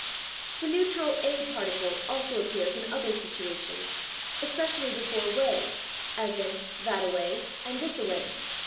The neutral /a/ particle also appears in other situations, especially before /way/, as in /that'a way/ and /this'a way